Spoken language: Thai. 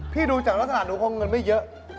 พี่ดูจากลาสนาหนูพอเงินไม่เยอะ